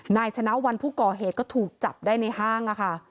นายชนะวันผู้ก่อเหตุก็ถูกจับได้ในห้างค่ะ